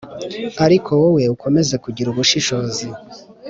Ariko wowe ukomeze kugira ubushishozi